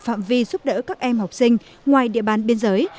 phạm vi giúp đỡ các em học sinh ngoài địa bàn biên giới